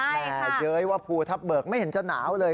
บางอย่างวากูทับเบิกไม่เห็นจะหนาวเลย